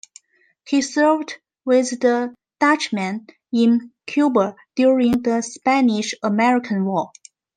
He served with the Dutchman in Cuba during the Spanish-American War.